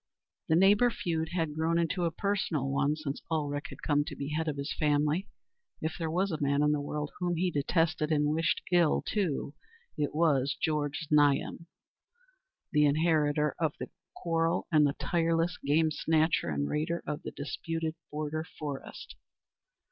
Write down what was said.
The neighbour feud had grown into a personal one since Ulrich had come to be head of his family; if there was a man in the world whom he detested and wished ill to it was Georg Znaeym, the inheritor of the quarrel and the tireless game snatcher and raider of the disputed border forest.